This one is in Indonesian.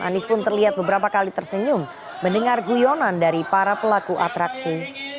anies pun terlihat beberapa kali tersenyum mendengar guyonan dari para pelaku atraksi